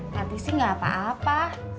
tati sih enggak apa apa